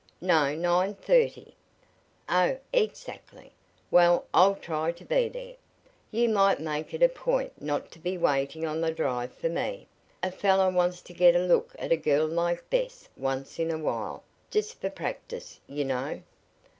"No, nine thirty." "Oh, exactly. Well, I'll try to be there. You might make it a point not to be waiting on the drive for me. A fellow wants to get a look at a girl like Bess once in a while just for practice, you know."